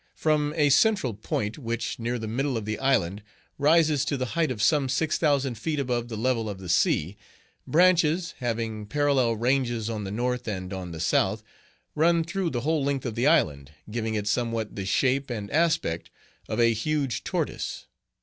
From a central point, which, near the middle of the island, rises to the height of some 6,000 feet above the level of the sea, branches, having parallel ranges on the north and on the south, run through the whole length of the island, giving it somewhat the shape and aspect of a huge tortoise.